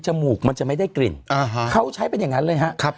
มูกมันจะไม่ได้กลิ่นเขาใช้เป็นอย่างนั้นเลยครับ